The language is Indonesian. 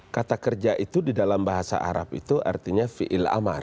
kata kerja itu di dalam bahasa arab itu artinya fi'il amar